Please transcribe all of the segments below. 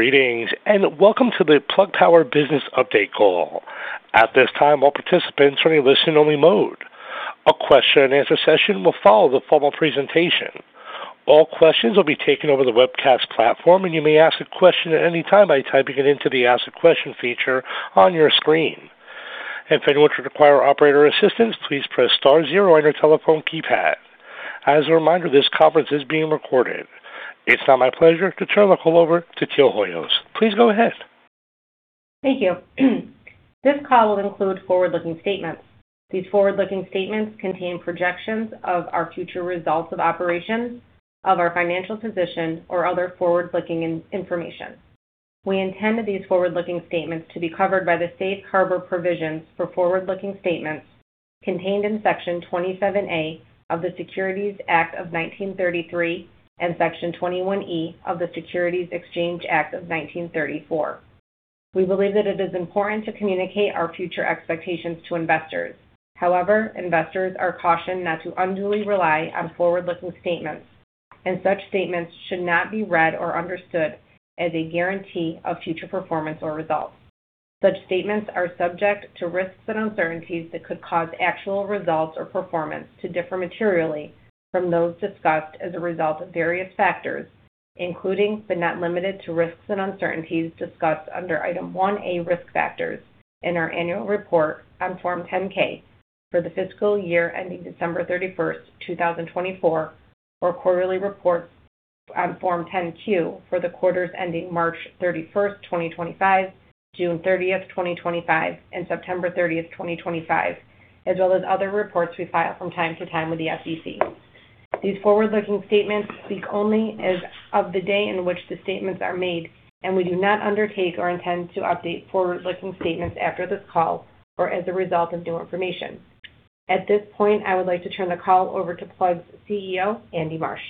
Greetings, and welcome to the Plug Power Business Update call. At this time, all participants are in a listen-only mode. A question-and-answer session will follow the formal presentation. All questions will be taken over the webcast platform, and you may ask a question at any time by typing it into the Ask a Question feature on your screen. If anyone should require operator assistance, please press star 0 on your telephone keypad. As a reminder, this conference is being recorded. It's now my pleasure to turn the call over to Teal Hoyos. Please go ahead. Thank you. This call will include forward-looking statements. These forward-looking statements contain projections of our future results of operations, of our financial position, or other forward-looking information. We intend that these forward-looking statements to be covered by the safe harbor provisions for forward-looking statements contained in Section 27A of the Securities Act of 1933 and Section 21E of the Securities Exchange Act of 1934. We believe that it is important to communicate our future expectations to investors. However, investors are cautioned not to unduly rely on forward-looking statements, and such statements should not be read or understood as a guarantee of future performance or results. Such statements are subject to risks and uncertainties that could cause actual results or performance to differ materially from those discussed as a result of various factors, including but not limited to risks and uncertainties discussed under Item 1A Risk Factors in our annual report on Form 10-K for the fiscal year ending December 31st, 2024, or quarterly reports on Form 10-Q for the quarters ending March 31st, 2025, June 30th, 2025, and September 30th, 2025, as well as other reports we file from time to time with the SEC. These forward-looking statements speak only as of the day in which the statements are made, and we do not undertake or intend to update forward-looking statements after this call or as a result of new information. At this point, I would like to turn the call over to Plug's CEO, Andy Marsh.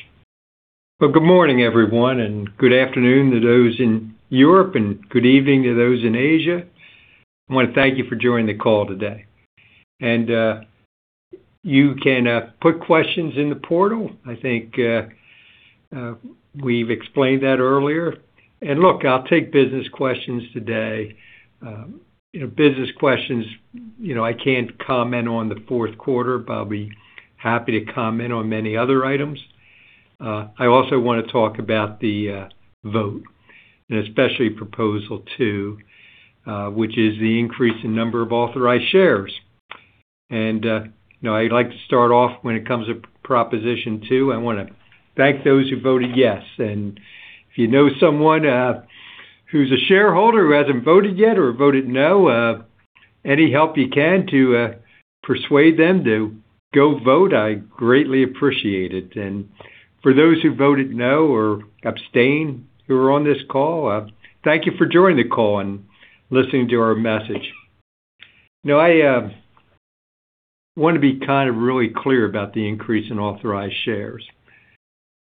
Well, good morning, everyone, and good afternoon to those in Europe, and good evening to those in Asia. I want to thank you for joining the call today. You can put questions in the portal. I think we've explained that earlier. Look, I'll take business questions today. Business questions, I can't comment on the fourth quarter. I'll be happy to comment on many other items. I also want to talk about the vote, and especially Proposal 2, which is the increase in number of authorized shares. I'd like to start off when it comes to Proposition 2. I want to thank those who voted yes. If you know someone who's a shareholder who hasn't voted yet or voted no, any help you can to persuade them to go vote, I greatly appreciate it. And for those who voted no or abstained, who were on this call, thank you for joining the call and listening to our message. Now, I want to be kind of really clear about the increase in authorized shares.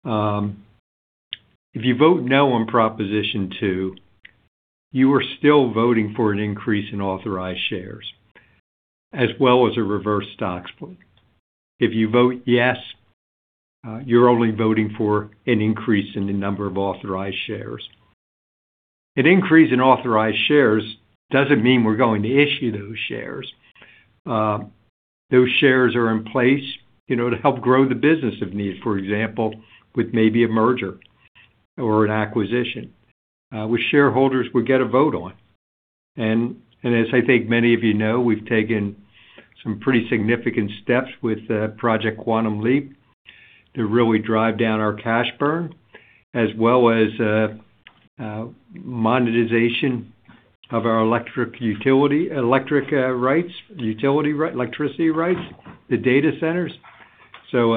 If you vote no on Proposition 2, you are still voting for an increase in authorized shares as well as a reverse stock split. If you vote yes, you're only voting for an increase in the number of authorized shares. An increase in authorized shares doesn't mean we're going to issue those shares. Those shares are in place to help grow the business if needed, for example, with maybe a merger or an acquisition, which shareholders would get a vote on. And as I think many of you know, we've taken some pretty significant steps with Project Quantum Leap to really drive down our cash burn as well as monetization of our electric utility rights, electricity rights, the data centers. So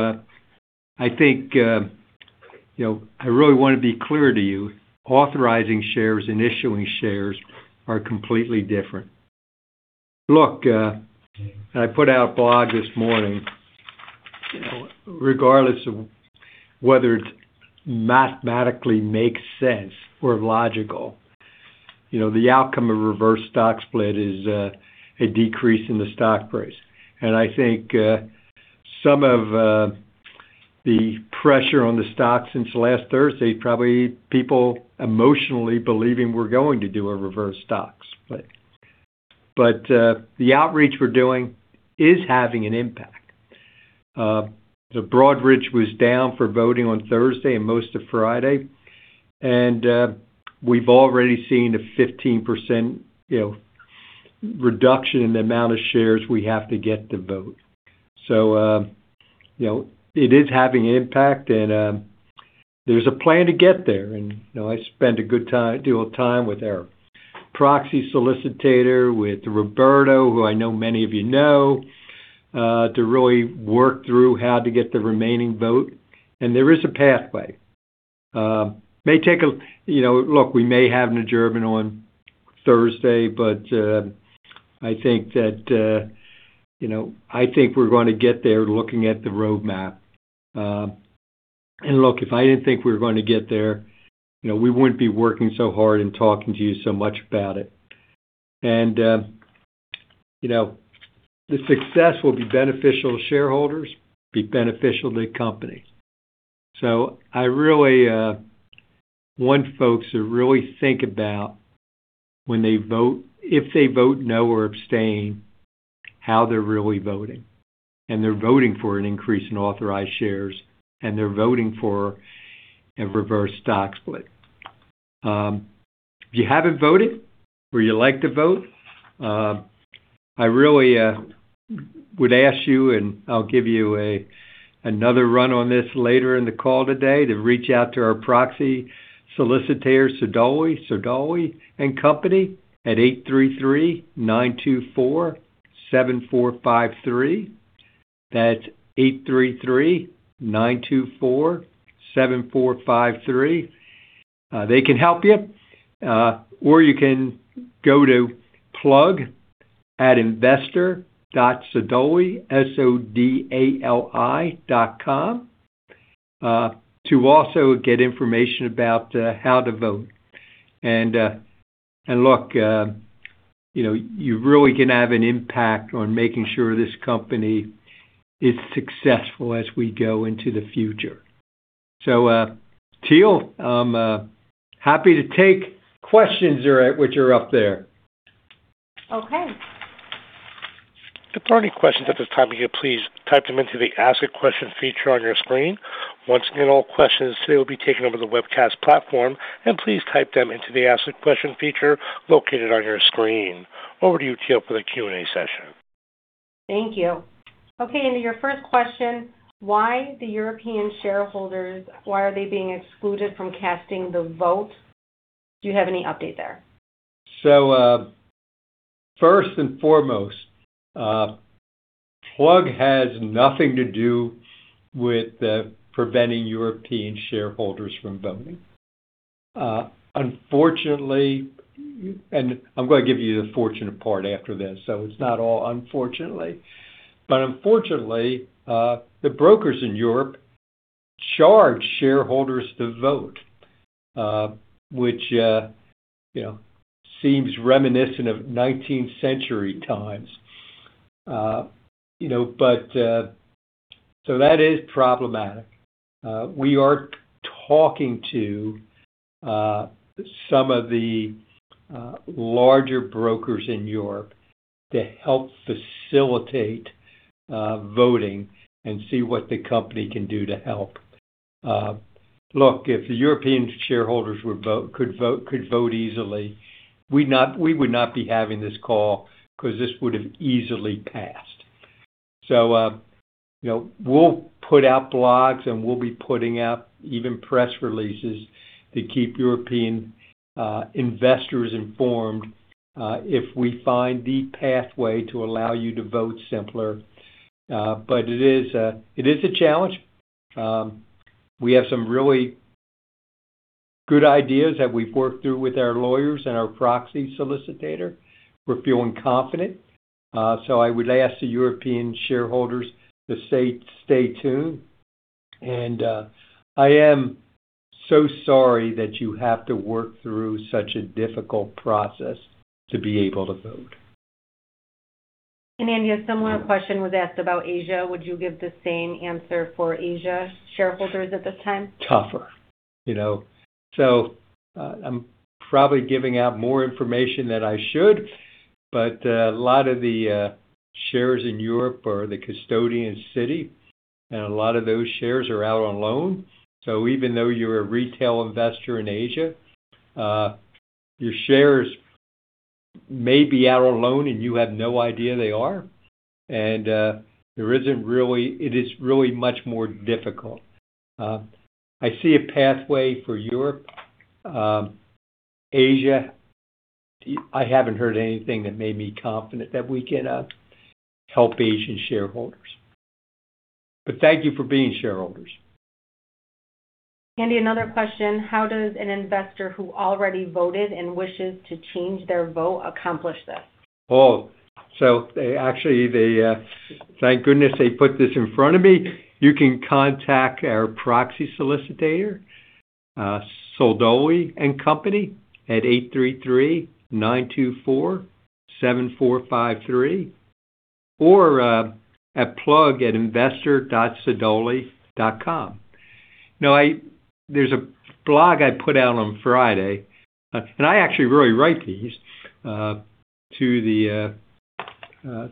I think I really want to be clear to you, authorizing shares and issuing shares are completely different. Look, and I put out a blog this morning, regardless of whether it mathematically makes sense or logical, the outcome of reverse stock split is a decrease in the stock price. And I think some of the pressure on the stock since last Thursday, probably people emotionally believing we're going to do a reverse stock split. But the outreach we're doing is having an impact. The broad reach was down for voting on Thursday and most of Friday. And we've already seen a 15% reduction in the amount of shares we have to get to vote. So it is having an impact, and there's a plan to get there. And I spent a good deal of time with our proxy solicitor, with Roberto, who I know many of you know, to really work through how to get the remaining vote. And there is a pathway. It may take a look, we may have an adjournment on Thursday, but I think that I think we're going to get there looking at the roadmap. And look, if I didn't think we were going to get there, we wouldn't be working so hard and talking to you so much about it. And the success will be beneficial to shareholders, be beneficial to the company. So I really want folks to really think about when they vote, if they vote no or abstain, how they're really voting. And they're voting for an increase in authorized shares, and they're voting for a reverse stock split. If you haven't voted or you'd like to vote, I really would ask you, and I'll give you another run on this later in the call today, to reach out to our proxy solicitor, Sodali & Co., at 833-924-7453. That's 833-924-7453. They can help you. Or you can go to plug@investor.sodali.com, S-O-D-A-L-I, dot com, to also get information about how to vote. And look, you really can have an impact on making sure this company is successful as we go into the future. So Teal, I'm happy to take questions which are up there. Okay. If there are any questions at this time, please type them into the Ask a Question feature on your screen. Once again, all questions today will be taken over the webcast platform, and please type them into the Ask a Question feature located on your screen. Over to you, Teal, for the Q&A session. Thank you. Okay, Andy, your first question, why the European shareholders, why are they being excluded from casting the vote? Do you have any update there? So first and foremost, Plug has nothing to do with preventing European shareholders from voting. Unfortunately and I'm going to give you the fortunate part after this, so it's not all unfortunately. But unfortunately, the brokers in Europe charge shareholders to vote, which seems reminiscent of 19th-century times. So that is problematic. We are talking to some of the larger brokers in Europe to help facilitate voting and see what the company can do to help. Look, if the European shareholders could vote easily, we would not be having this call because this would have easily passed. So we'll put out blogs, and we'll be putting out even press releases to keep European investors informed if we find the pathway to allow you to vote simpler. But it is a challenge. We have some really good ideas that we've worked through with our lawyers and our proxy solicitor. We're feeling confident. I would ask the European shareholders to stay tuned. I am so sorry that you have to work through such a difficult process to be able to vote. Andy, a similar question was asked about Asia. Would you give the same answer for Asia shareholders at this time? Tougher. So I'm probably giving out more information than I should, but a lot of the shares in Europe are custodian city, and a lot of those shares are out on loan. So even though you're a retail investor in Asia, your shares may be out on loan, and you have no idea they are. And it is really much more difficult. I see a pathway for Europe. Asia, I haven't heard anything that made me confident that we can help Asian shareholders. But thank you for being shareholders. Andy, another question. How does an investor who already voted and wishes to change their vote accomplish this? Oh, so actually, thank goodness they put this in front of me. You can contact our proxy solicitor, Sodali & Co, at 833-924-7453 or at plug@investor.sodali.com. Now, there's a blog I put out on Friday, and I actually really write these to the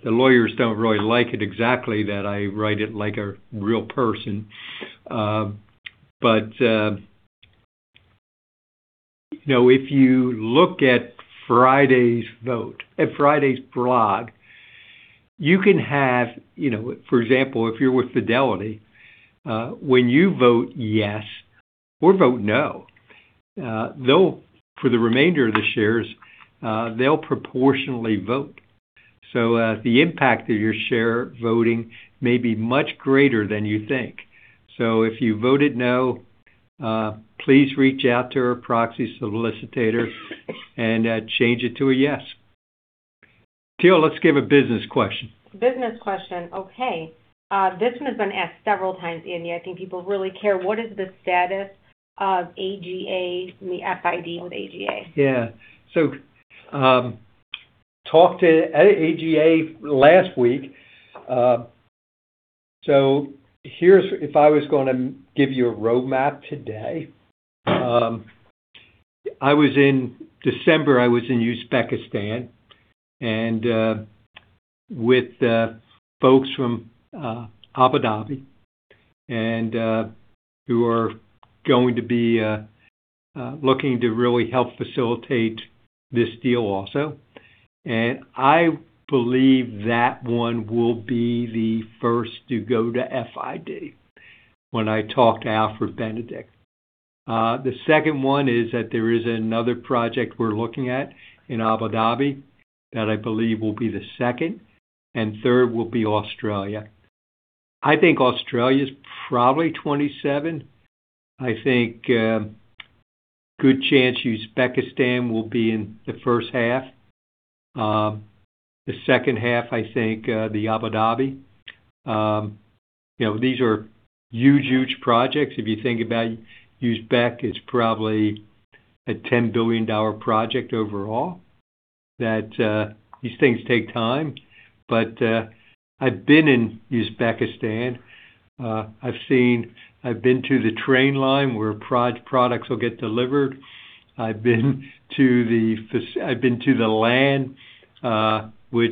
lawyers don't really like it exactly that I write it like a real person. But if you look at Friday's blog, you can have for example, if you're with Fidelity, when you vote yes or vote no, for the remainder of the shares, they'll proportionally vote. So the impact of your share voting may be much greater than you think. So if you voted no, please reach out to our proxy solicitor and change it to a yes. Teal, let's give a business question. Business question. Okay. This one has been asked several times, Andy. I think people really care. What is the status of AGA? I mean, the FID with AGA? Yeah. So talked to AGA last week. So if I was going to give you a roadmap today, in December, I was in Uzbekistan with folks from Abu Dhabi who are going to be looking to really help facilitate this deal also. And I believe that one will be the first to go to FID when I talk to Alfred Benedict. The second one is that there is another project we're looking at in Abu Dhabi that I believe will be the second. And third will be Australia. I think Australia's probably 2027. I think good chance Uzbekistan will be in the first half. The second half, I think, the Abu Dhabi. These are huge, huge projects. If you think about Uzbek, it's probably a $10 billion project overall. These things take time. But I've been in Uzbekistan. I've been to the train line where products will get delivered. I've been to the land where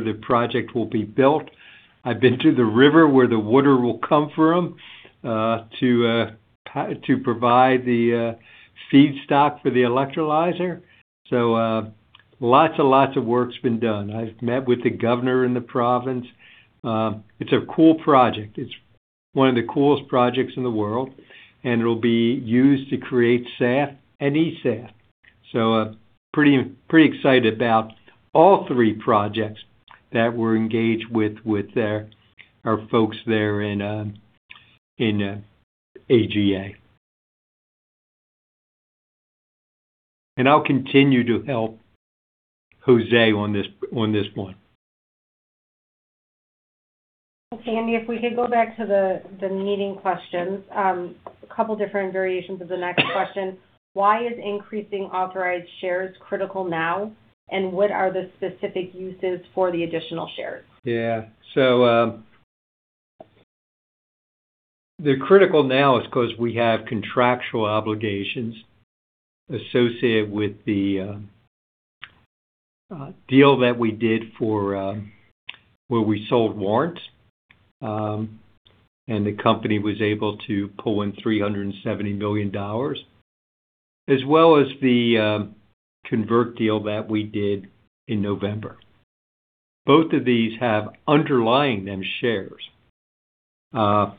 the project will be built. I've been to the river where the water will come from to provide the feedstock for the electrolyzer. So lots and lots of work's been done. I've met with the governor in the province. It's a cool project. It's one of the coolest projects in the world. And it'll be used to create SAF and eSAF. So pretty excited about all three projects that we're engaged with with our folks there in AGA. And I'll continue to help Jose on this one. Okay, Andy, if we could go back to the meeting questions, a couple different variations of the next question. Why is increasing authorized shares critical now, and what are the specific uses for the additional shares? Yeah. So they're critical now is because we have contractual obligations associated with the deal that we did where we sold warrants, and the company was able to pull in $370 million, as well as the convert deal that we did in November. Both of these have underlying them shares. But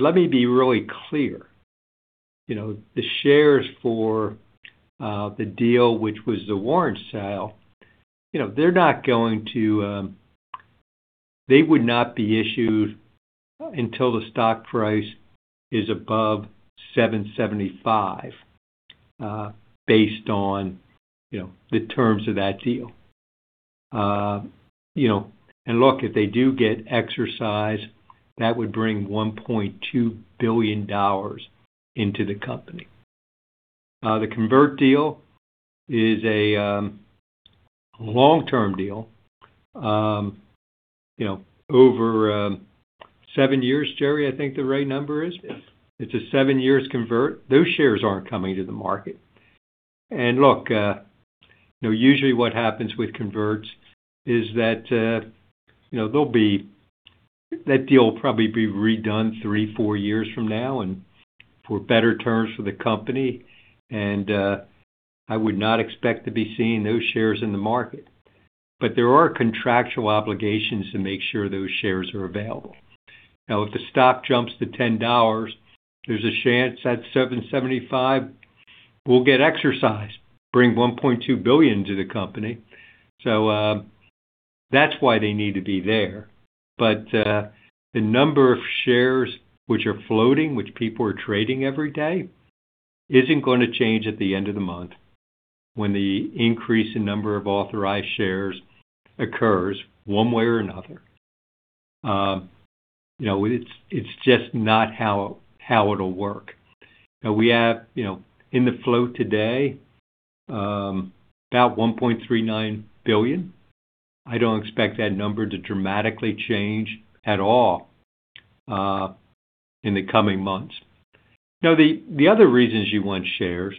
let me be really clear. The shares for the deal, which was the warrant sale, they would not be issued until the stock price is above 775 based on the terms of that deal. And look, if they do get exercised, that would bring $1.2 billion into the company. The convert deal is a long-term deal. Over seven years, Jerry, I think the right number is. It's a seven-year convert. Those shares aren't coming to the market. And look, usually what happens with converts is that they'll be—that deal will probably be redone three or four years from now for better terms for the company. And I would not expect to be seeing those shares in the market. But there are contractual obligations to make sure those shares are available. Now, if the stock jumps to $10, there's a chance at $7.75 we'll get exercised, bring $1.2 billion to the company. So that's why they need to be there. But the number of shares which are floating, which people are trading every day, isn't going to change at the end of the month when the increase in number of authorized shares occurs one way or another. It's just not how it'll work. Now, we have in the float today about 1.39 billion. I don't expect that number to dramatically change at all in the coming months. Now, the other reasons you want shares,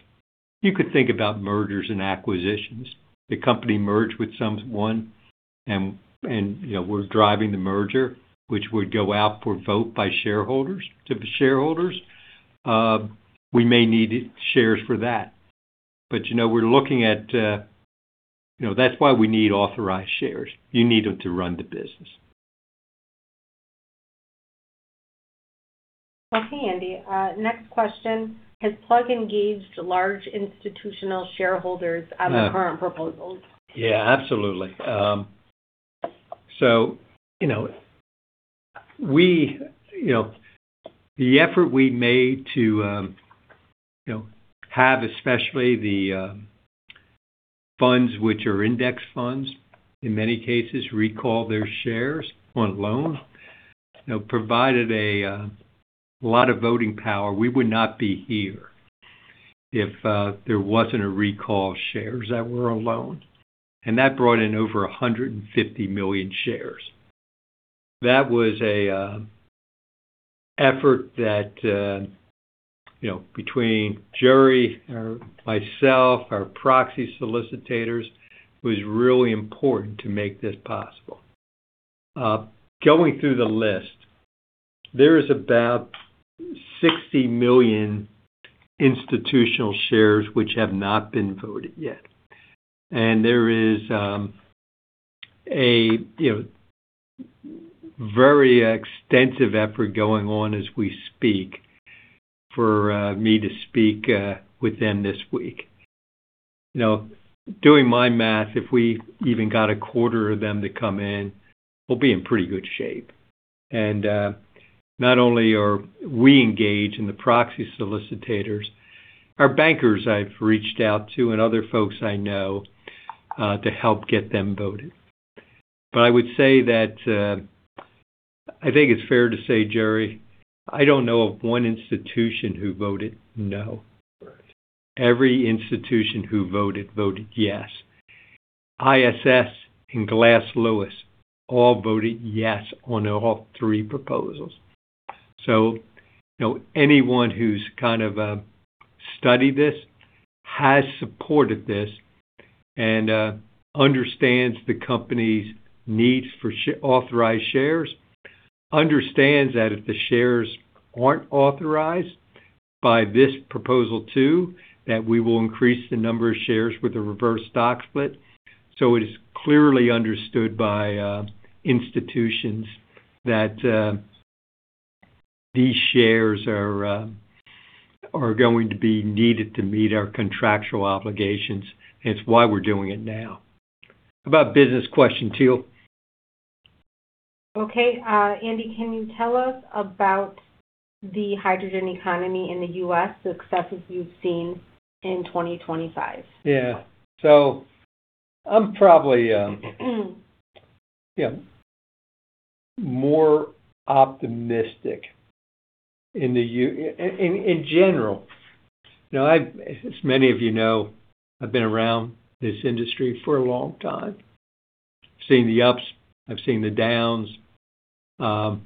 you could think about mergers and acquisitions. The company merged with someone, and we're driving the merger, which would go out for vote by shareholders. Or shareholders, we may need shares for that. But we're looking at that. That's why we need authorized shares. You need them to run the business. Okay, Andy. Next question. Has Plug engaged large institutional shareholders on the current proposals? Yeah, absolutely. So the effort we made to have, especially the funds which are index funds, in many cases, recall their shares on loan, provided a lot of voting power. We would not be here if there wasn't a recall of shares that were on loan. And that brought in over 150 million shares. That was an effort that, between Jerry, myself, our proxy solicitors, was really important to make this possible. Going through the list, there is about 60 million institutional shares which have not been voted yet. And there is a very extensive effort going on as we speak for me to speak with them this week. Doing my math, if we even got a quarter of them to come in, we'll be in pretty good shape. Not only are we engaged with the proxy solicitors, our bankers I've reached out to and other folks I know to help get them voted. But I would say that I think it's fair to say, Jerry, I don't know of one institution who voted no. Every institution who voted voted yes. ISS and Glass Lewis all voted yes on all three proposals. So anyone who's kind of studied this, has supported this, and understands the company's needs for authorized shares, understands that if the shares aren't authorized by this proposal two, that we will increase the number of shares with a reverse stock split. So it is clearly understood by institutions that these shares are going to be needed to meet our contractual obligations. And it's why we're doing it now. How about business question, Teal? Okay. Andy, can you tell us about the hydrogen economy in the U.S., the successes you've seen in 2025? Yeah. So I'm probably more optimistic in general. As many of you know, I've been around this industry for a long time. I've seen the ups. I've seen the downs.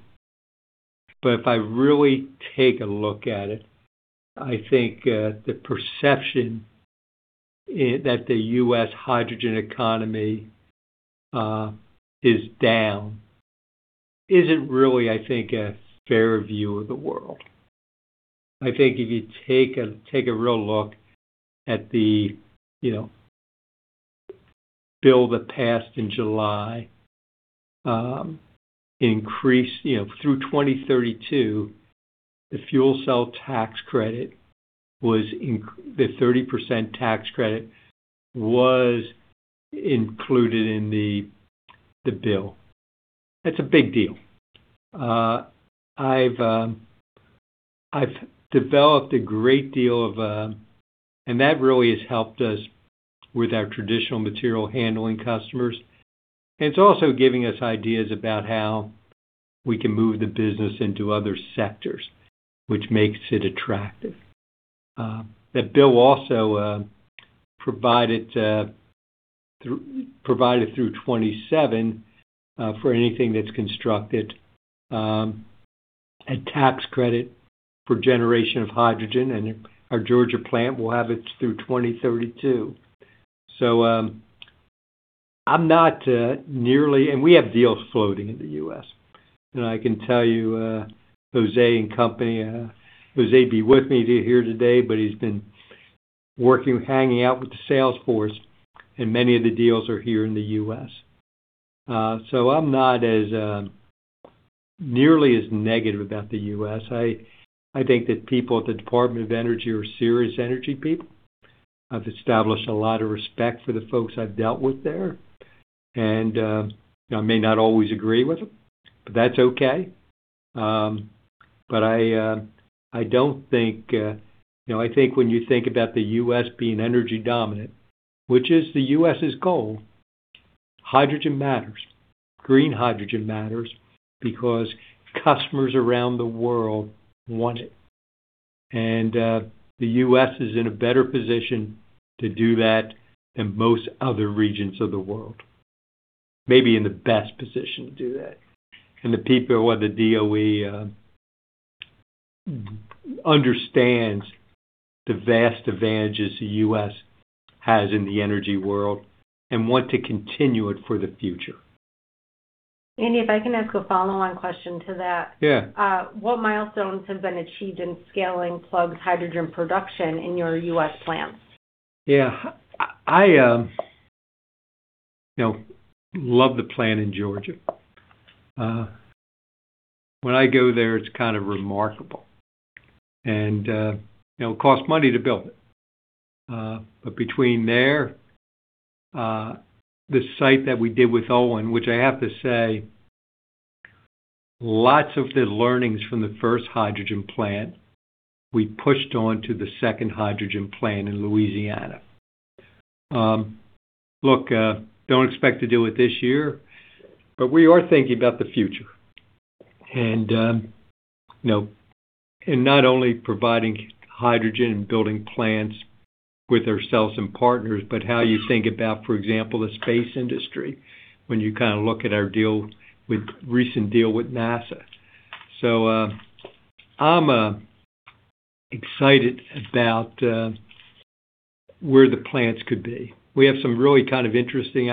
But if I really take a look at it, I think the perception that the U.S. hydrogen economy is down isn't really, I think, a fair view of the world. I think if you take a real look at the bill that passed in July through 2032, the fuel cell tax credit, the 30% tax credit, was included in the bill. That's a big deal. I've developed a great deal, and that really has helped us with our traditional material handling customers. And it's also giving us ideas about how we can move the business into other sectors, which makes it attractive. That bill also provided through 2027 for anything that's constructed a tax credit for generation of hydrogen. And our Georgia plant will have it through 2032. So I'm not nearly and we have deals floating in the U.S. And I can tell you Jose and company Jose'd be with me here today, but he's been hanging out with the sales force. And many of the deals are here in the U.S. So I'm not nearly as negative about the U.S. I think that people at the Department of Energy are serious energy people. I've established a lot of respect for the folks I've dealt with there. And I may not always agree with them, but that's okay. But I don't think I think when you think about the U.S. being energy dominant, which is the U.S.'s goal, hydrogen matters. Green hydrogen matters because customers around the world want it. The U.S. is in a better position to do that than most other regions of the world, maybe in the best position to do that. The people at the DOE understand the vast advantages the U.S. has in the energy world and want to continue it for the future. Andy, if I can ask a follow-on question to that. What milestones have been achieved in scaling Plug's hydrogen production in your U.S. plants? Yeah. I love the plant in Georgia. When I go there, it's kind of remarkable. It costs money to build it. But between there, the site that we did with Olin, which I have to say, lots of the learnings from the first hydrogen plant, we pushed on to the second hydrogen plant in Louisiana. Look, don't expect to do it this year, but we are thinking about the future. Not only providing hydrogen and building plants with ourselves and partners, but how you think about, for example, the space industry when you kind of look at our recent deal with NASA. I'm excited about where the plants could be. We have some really kind of interesting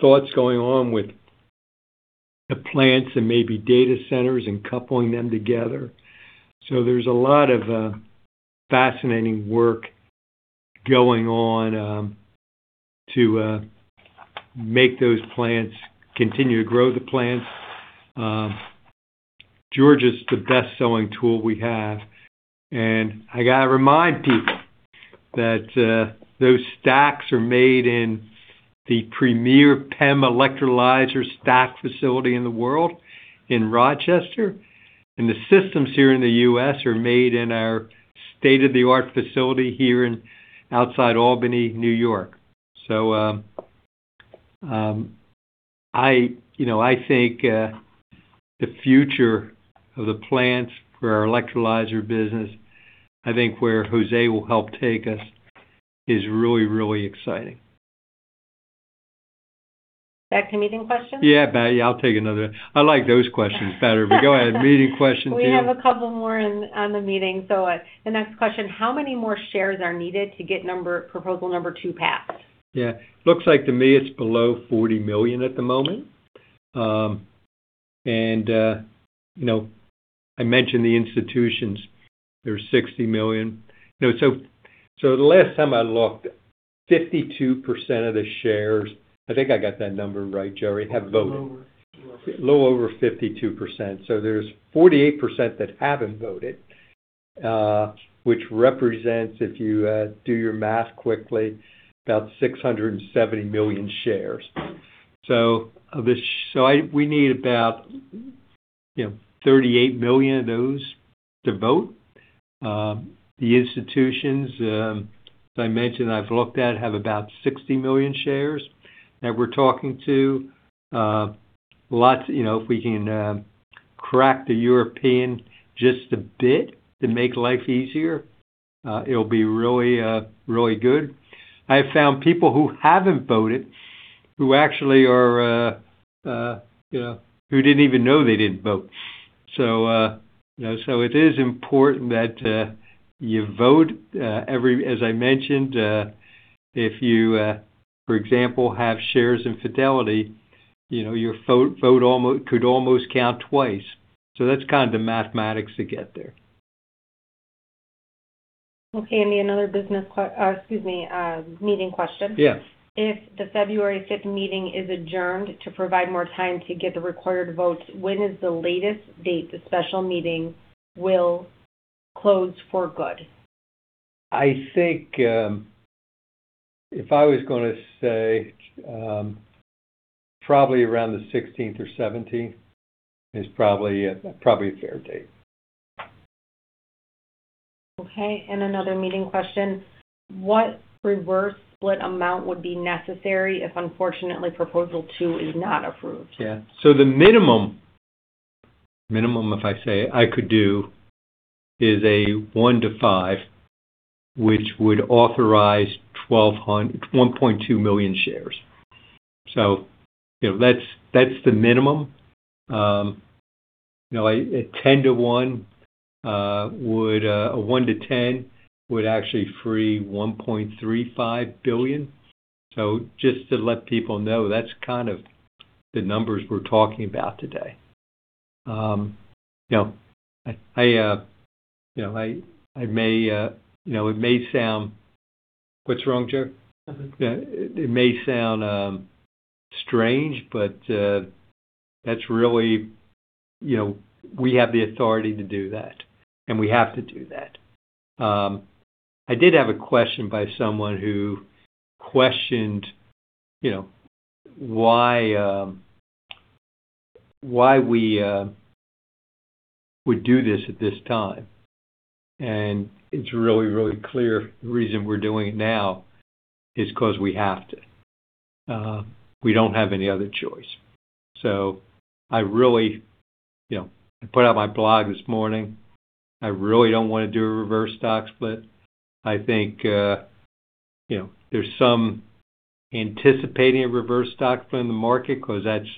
thoughts going on with the plants and maybe data centers and coupling them together. So there's a lot of fascinating work going on to make those plants continue to grow the plants. Georgia's the best-selling tool we have. And I got to remind people that those stacks are made in the premier PEM electrolyzer stack facility in the world in Rochester. And the systems here in the U.S. are made in our state-of-the-art facility here outside Albany, New York. So I think the future of the plants for our electrolyzer business, I think where Jose will help take us, is really, really exciting. Back to meeting questions? Yeah, yeah. I'll take another. I like those questions better. But go ahead. Meeting questions, Teal. We have a couple more on the meeting. So the next question. How many more shares are needed to get proposal number two passed? Yeah. Looks like to me, it's below 40 million at the moment. And I mentioned the institutions. There's 60 million. So the last time I looked, 52% of the shares I think I got that number right, Jerry, have voted. Just over 52%. So there's 48% that haven't voted, which represents, if you do your math quickly, about 670 million shares. So we need about 38 million of those to vote. The institutions, as I mentioned, I've looked at, have about 60 million shares that we're talking to. If we can crack the European just a bit to make life easier, it'll be really, really good. I have found people who haven't voted who actually are who didn't even know they didn't vote. So it is important that you vote. As I mentioned, if you, for example, have shares in Fidelity, your vote could almost count twice. So that's kind of the mathematics to get there. Okay, Andy. Another business excuse me, meeting question. If the February 5th meeting is adjourned to provide more time to get the required votes, when is the latest date the special meeting will close for good? I think if I was going to say probably around the 16th or 17th is probably a fair date. Okay. Another meeting question. What reverse split amount would be necessary if, unfortunately, proposal two is not approved? Yeah. So the minimum, if I say, I could do is a one to five, which would authorize 1.2 million shares. So that's the minimum. A 10 to one, a one to 10, would actually free 1.35 billion. So just to let people know, that's kind of the numbers we're talking about today. It may sound what's wrong, Jerry? Mm-hmm. Yeah. It may sound strange, but that's really, we have the authority to do that. And we have to do that. I did have a question by someone who questioned why we would do this at this time. It's really, really clear the reason we're doing it now is because we have to. We don't have any other choice. So I really put out my blog this morning. I really don't want to do a reverse stock split. I think there's some anticipation of a reverse stock split in the market because that's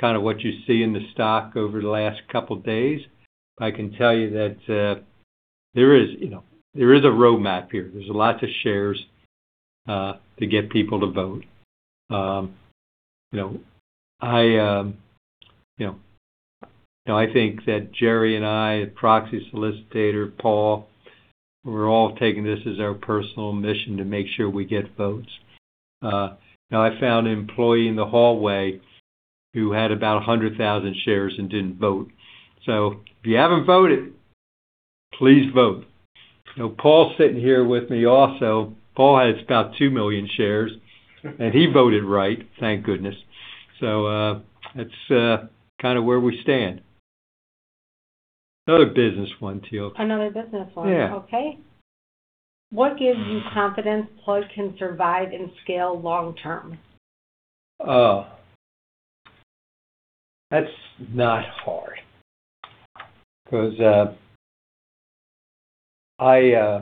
kind of what you see in the stock over the last couple of days. I can tell you that there is a roadmap here. There's lots of shares to get people to vote. I think that Jerry and I, the proxy solicitor, Paul, we're all taking this as our personal mission to make sure we get votes. Now, I found an employee in the hallway who had about 100,000 shares and didn't vote. So if you haven't voted, please vote. Paul's sitting here with me also. Paul has about 2 million shares. And he voted right, thank goodness. So that's kind of where we stand. Another business one, Teal. Another business one. Okay. What gives you confidence Plug can survive and scale long-term? Oh. That's not hard because I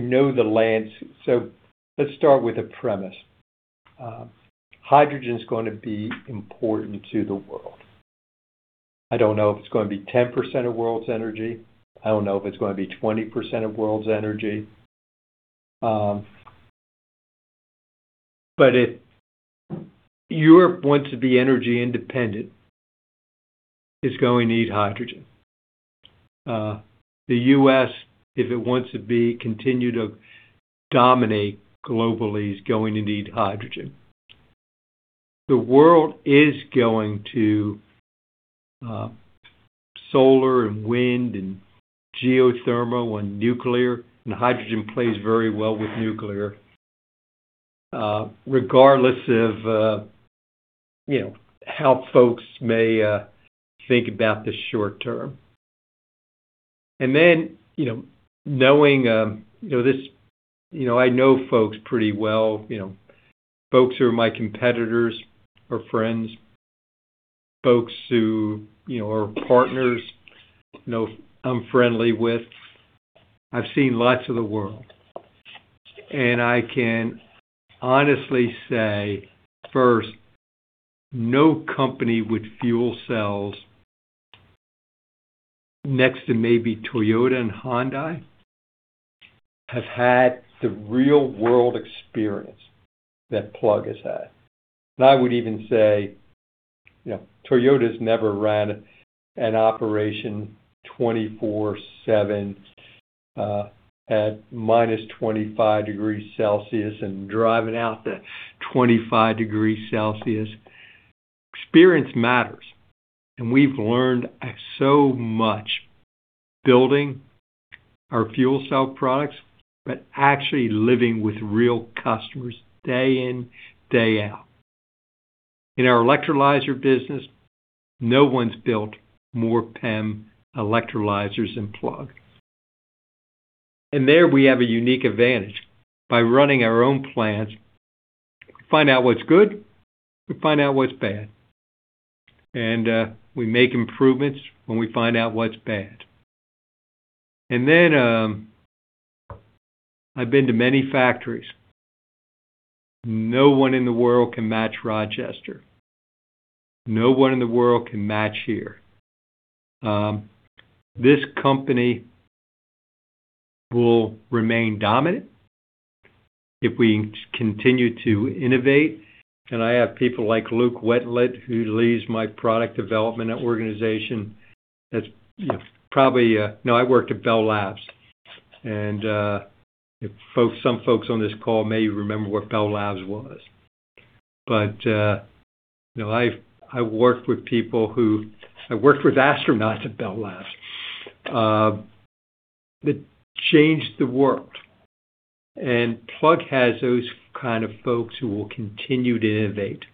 know the land so let's start with a premise. Hydrogen's going to be important to the world. I don't know if it's going to be 10% of world's energy. I don't know if it's going to be 20% of world's energy. But if Europe wants to be energy independent, it's going to need hydrogen. The U.S., if it wants to continue to dominate globally, is going to need hydrogen. The world is going to solar and wind and geothermal and nuclear. And hydrogen plays very well with nuclear, regardless of how folks may think about the short term. And then knowing this I know folks pretty well. Folks who are my competitors or friends, folks who are partners I'm friendly with. I've seen lots of the world. And I can honestly say, first, no company with fuel cells next to maybe Toyota and Hyundai have had the real-world experience that Plug has had. And I would even say Toyota's never ran an operation 24/7 at minus 25 degrees Celsius and driving out the 25 degrees Celsius. Experience matters. And we've learned so much building our fuel cell products but actually living with real customers day in, day out. In our electrolyzer business, no one's built more PEM electrolyzers than Plug. And there, we have a unique advantage. By running our own plants, we find out what's good. We find out what's bad. And we make improvements when we find out what's bad. And then I've been to many factories. No one in the world can match Rochester. No one in the world can match here. This company will remain dominant if we continue to innovate. I have people like Luke Wenlet who leads my product development organization. That's probably no, I worked at Bell Labs. Some folks on this call may remember what Bell Labs was. But I've worked with people who I worked with astronauts at Bell Labs that changed the world. Plug has those kind of folks who will continue to innovate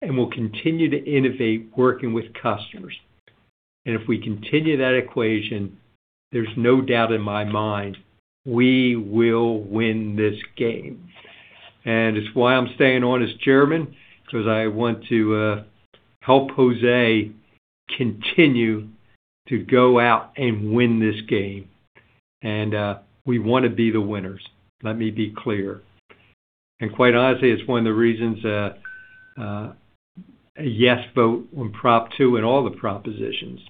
and will continue to innovate working with customers. If we continue that equation, there's no doubt in my mind we will win this game. It's why I'm staying on as chairman because I want to help Jose continue to go out and win this game. We want to be the winners, let me be clear. Quite honestly, it's one of the reasons a yes vote on prop two and all the propositions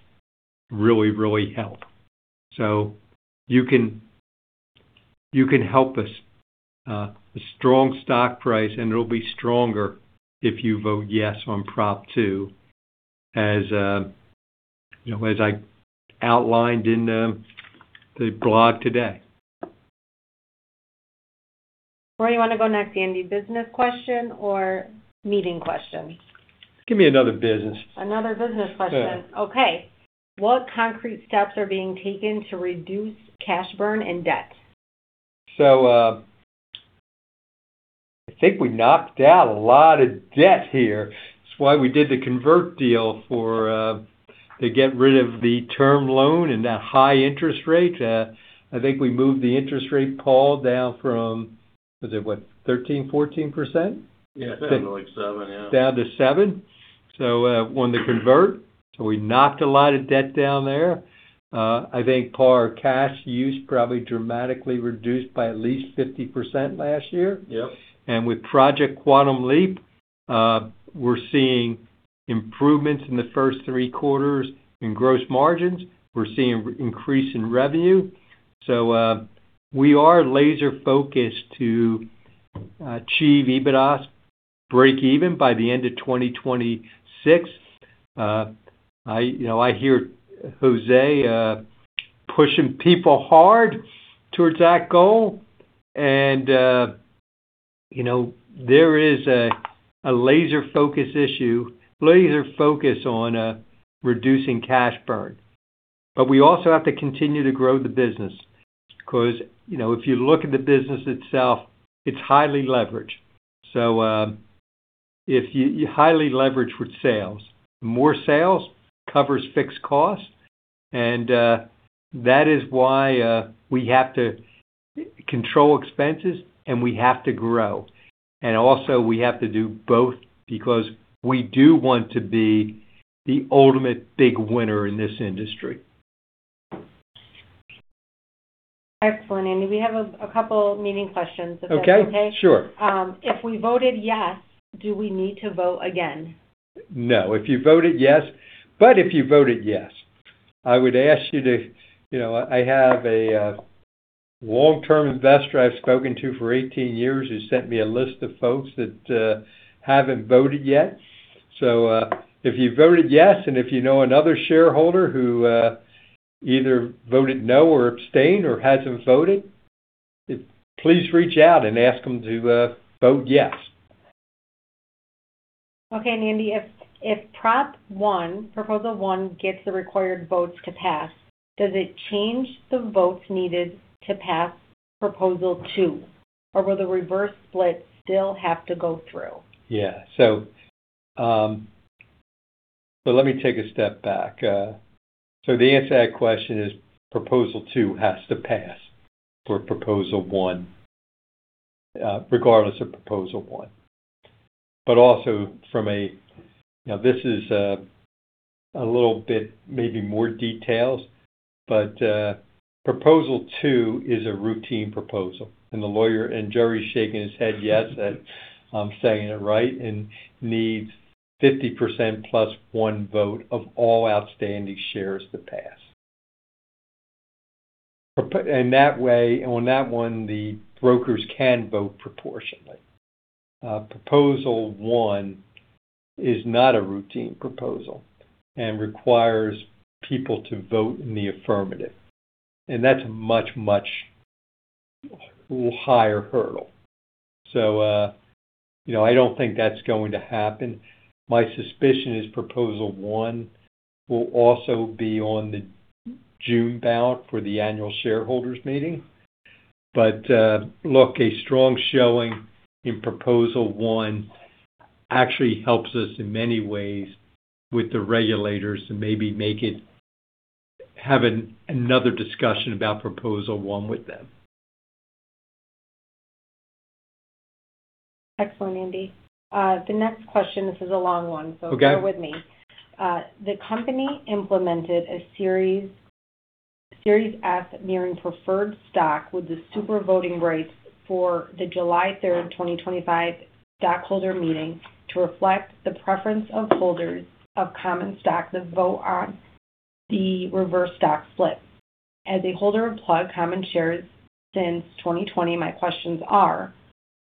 really, really help. So you can help us. A strong stock price, and it'll be stronger if you vote yes on prop two, as I outlined in the blog today. Where do you want to go next, Andy? Business question or meeting question? Give me another business. Another business question. Okay. What concrete steps are being taken to reduce cash burn and debt? So I think we knocked out a lot of debt here. That's why we did the convert deal to get rid of the term loan and that high interest rate. I think we moved the interest rate, Paul, down from was it, what, 13%-14%? Yeah. It's down to like 7, yeah. Down to 7. So we wanted to convert. So we knocked a lot of debt down there. I think, Paul, our cash use probably dramatically reduced by at least 50% last year. With Project Quantum Leap, we're seeing improvements in the first three quarters in gross margins. We're seeing an increase in revenue. So we are laser-focused to achieve EBITDA break-even by the end of 2026. I hear Jose pushing people hard towards that goal. And there is a laser-focused issue, laser-focused on reducing cash burn. But we also have to continue to grow the business because if you look at the business itself, it's highly leveraged. So highly leveraged with sales. More sales covers fixed costs. And that is why we have to control expenses, and we have to grow. Also, we have to do both because we do want to be the ultimate big winner in this industry. Excellent, Andy. We have a couple meeting questions, if that's okay? Okay. Sure. If we voted yes, do we need to vote again? No. If you voted yes, I would ask you to. I have a long-term investor I've spoken to for 18 years who sent me a list of folks that haven't voted yet. So if you voted yes and if you know another shareholder who either voted no or abstained or hasn't voted, please reach out and ask them to vote yes. Okay, Andy. If prop one, proposal one, gets the required votes to pass, does it change the votes needed to pass proposal two? Or will the reverse split still have to go through? Yeah. So let me take a step back. So the answer to that question is proposal two has to pass for proposal one, regardless of proposal one. But also, from a this is a little bit maybe more details. But proposal two is a routine proposal. And Jerry's shaking his head yes that I'm saying it right and needs 50% plus one vote of all outstanding shares to pass. And on that one, the brokers can vote proportionally. Proposal one is not a routine proposal and requires people to vote in the affirmative. And that's a much, much higher hurdle. So I don't think that's going to happen. My suspicion is proposal one will also be on the June vote for the annual shareholders' meeting. Look, a strong showing in proposal one actually helps us in many ways with the regulators and maybe have another discussion about proposal one with them. Excellent, Andy. The next question, this is a long one, so bear with me. The company implemented a Series F mirroring preferred stock with the super voting rights for the July 3rd, 2025, stockholder meeting to reflect the preference of holders of common stock to vote on the reverse stock split. As a holder of Plug common shares since 2020, my questions are: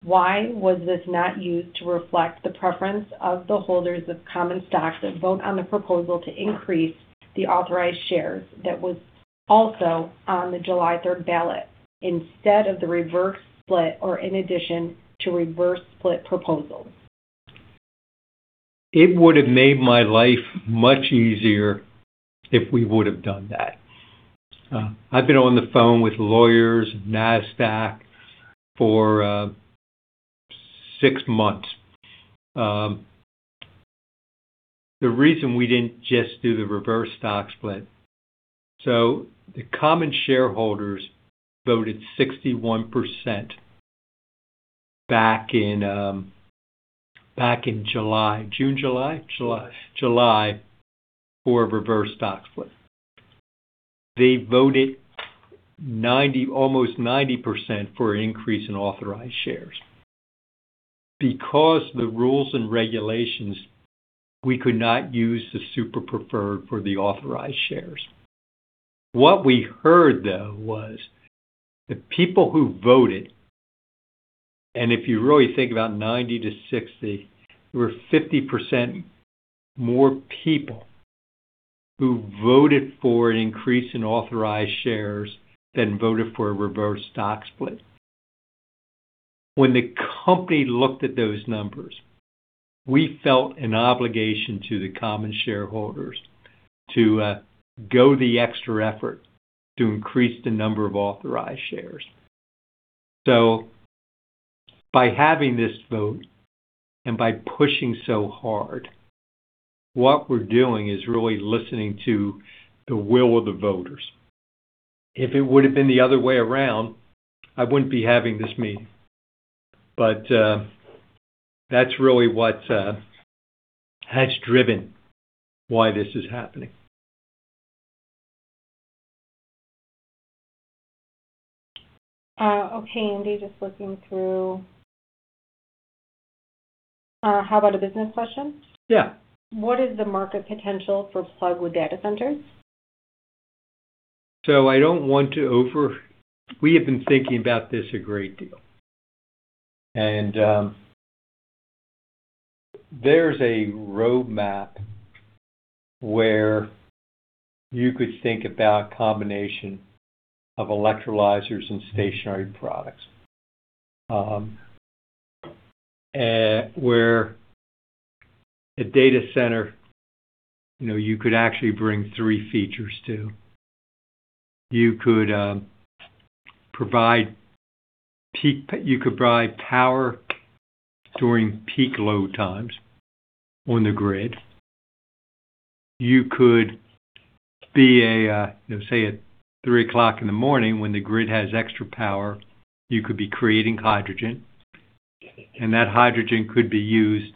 why was this not used to reflect the preference of the holders of common stock to vote on the proposal to increase the authorized shares that was also on the July 3rd ballot instead of the reverse split or in addition to reverse split proposals? It would have made my life much easier if we would have done that. I've been on the phone with lawyers and NASDAQ for six months. The reason we didn't just do the reverse stock split so the common shareholders voted 61% back in July June, July? July. July for a reverse stock split. They voted almost 90% for an increase in authorized shares. Because of the rules and regulations, we could not use the super preferred for the authorized shares. What we heard, though, was the people who voted and if you really think about 90%-60%, there were 50% more people who voted for an increase in authorized shares than voted for a reverse stock split. When the company looked at those numbers, we felt an obligation to the common shareholders to go the extra effort to increase the number of authorized shares. So by having this vote and by pushing so hard, what we're doing is really listening to the will of the voters. If it would have been the other way around, I wouldn't be having this meeting. But that's really what has driven why this is happening. Okay, Andy. Just looking through, how about a business question? Yeah. What is the market potential for Plug with data centers? So, I don't want to overemphasize. We have been thinking about this a great deal. And there's a roadmap where you could think about a combination of electrolyzers and stationary products where, for a data center, you could actually bring three features to. You could provide power during peak load times on the grid. You could be, say, at 3:00 A.M., when the grid has extra power, you could be creating hydrogen. And that hydrogen could be used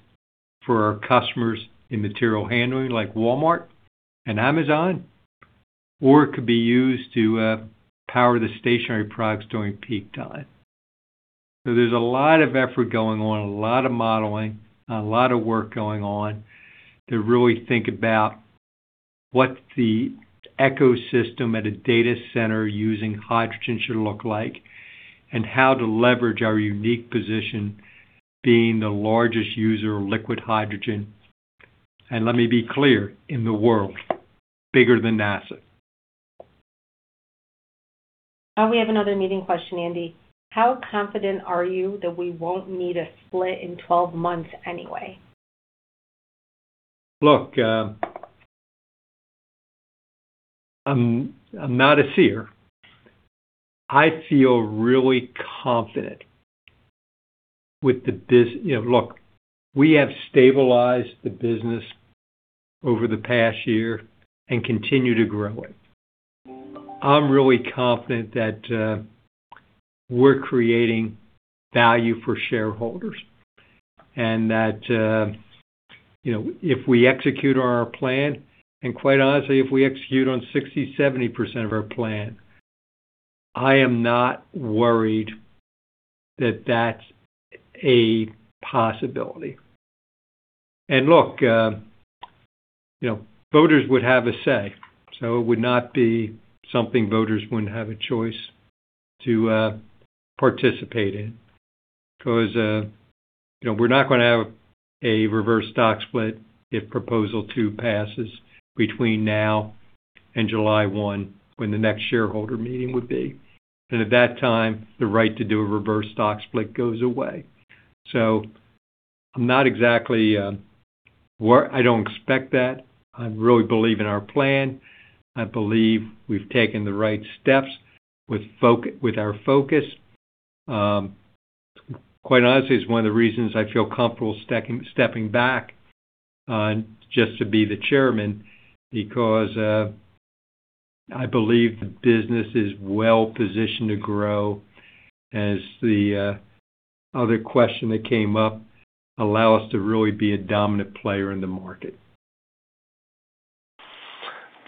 for our customers in material handling like Walmart and Amazon. Or it could be used to power the stationary products during peak time. So there's a lot of effort going on, a lot of modeling, a lot of work going on to really think about what the ecosystem at a data center using hydrogen should look like and how to leverage our unique position being the largest user of liquid hydrogen. And let me be clear, in the world, bigger than NASA. We have another meeting question, Andy. How confident are you that we won't need a split in 12 months anyway? Look, I'm not a seer. I feel really confident with the outlook. We have stabilized the business over the past year and continue to grow it. I'm really confident that we're creating value for shareholders and that if we execute on our plan and quite honestly, if we execute on 60%-70% of our plan, I am not worried that that's a possibility. Look, voters would have a say. So it would not be something voters wouldn't have a choice to participate in because we're not going to have a reverse stock split if Proposal 2 passes between now and July 1 when the next shareholder meeting would be. At that time, the right to do a reverse stock split goes away. So I'm not exactly. I don't expect that. I really believe in our plan. I believe we've taken the right steps with our focus. Quite honestly, it's one of the reasons I feel comfortable stepping back just to be the chairman because I believe the business is well positioned to grow as the other question that came up allows us to really be a dominant player in the market.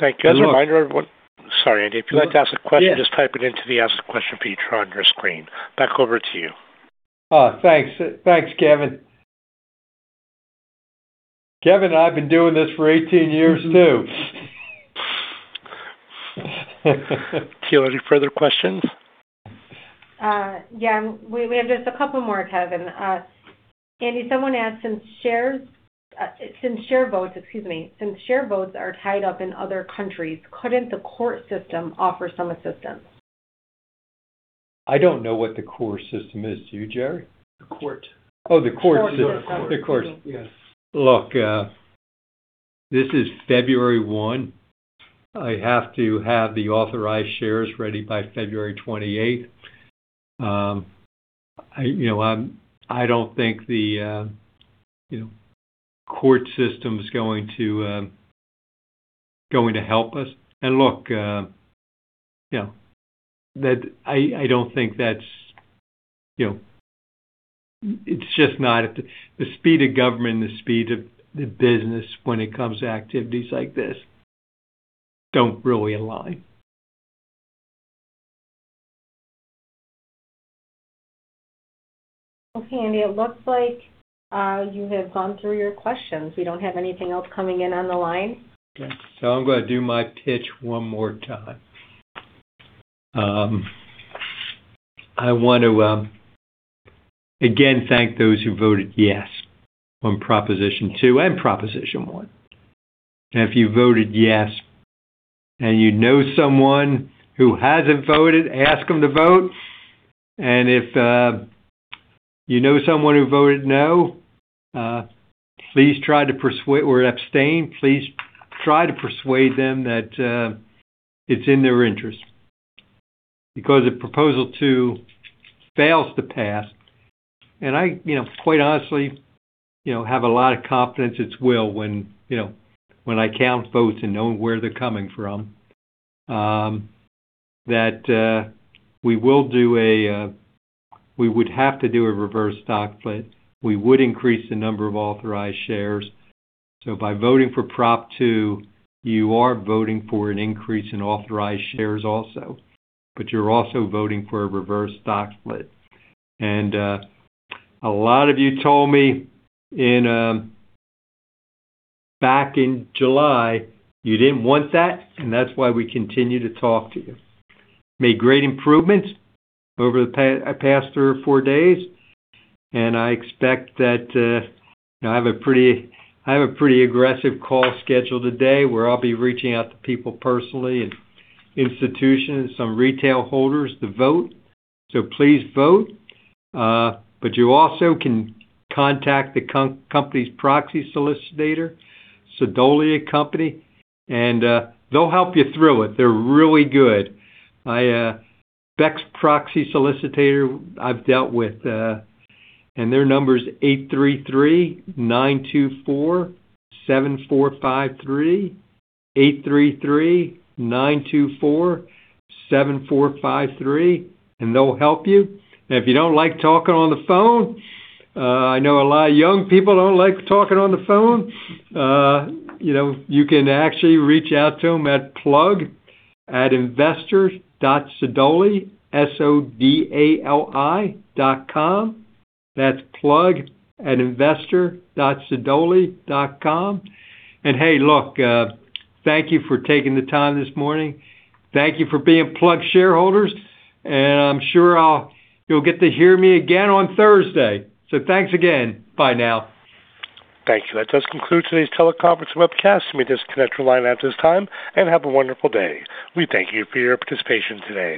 Thank you. As a reminder, everyone. Sorry, Andy. If you'd like to ask a question, just type it into the ask a question feature on your screen. Back over to you. Thanks. Thanks, Kevin. Kevin, I've been doing this for 18 years too. Teal, any further questions? Yeah. We have just a couple more, Kevin. Andy, someone asked, since share votes are tied up in other countries, couldn't the court system offer some assistance? I don't know what the court system is. Do you, Jerry? The court. Oh, the court system. Court system. The court. Yes. Look, this is February 1. I have to have the authorized shares ready by February 28th. I don't think the court system is going to help us. And look, I don't think that's it. It's just not the speed of government and the speed of the business when it comes to activities like this don't really align. Okay, Andy. It looks like you have gone through your questions. We don't have anything else coming in on the line. Okay. So I'm going to do my pitch one more time. I want to, again, thank those who voted yes on proposition two and proposition one. And if you voted yes and you know someone who hasn't voted, ask them to vote. And if you know someone who voted no, please try to persuade or abstain. Please try to persuade them that it's in their interest because if proposal two fails to pass and I, quite honestly, have a lot of confidence it will when I count votes and know where they're coming from that we would have to do a reverse stock split. We would increase the number of authorized shares. So by voting for prop two, you are voting for an increase in authorized shares also. But you're also voting for a reverse stock split. A lot of you told me back in July, you didn't want that, and that's why we continue to talk to you. Made great improvements over the past three or four days. I expect that I have a pretty aggressive call scheduled today where I'll be reaching out to people personally and institutions and some retail holders to vote. So please vote. But you also can contact the company's proxy solicitor, Sodali & Co. And they'll help you through it. They're really good. Best proxy solicitor I've dealt with, and their number's 833-924-7453. 833-924-7453. And they'll help you. And if you don't like talking on the phone I know a lot of young people don't like talking on the phone. You can actually reach out to them at plug@investor.sodali.com. That's plug@investor.sodali.com. And hey, look, thank you for taking the time this morning. Thank you for being Plug shareholders. I'm sure you'll get to hear me again on Thursday. Thanks again. Bye now. Thank you. That does conclude today's teleconference webcast. You may disconnect your line at this time and have a wonderful day. We thank you for your participation today.